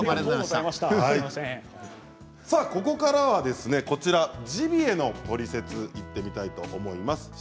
ここからはジビエのトリセツにいってみたいと思います。